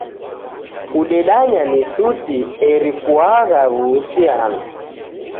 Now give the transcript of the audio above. Kudedanya ni suti, eri kuagha w'uhusiano.